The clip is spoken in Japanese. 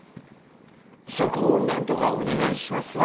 そこをなんとかお願いしますわ。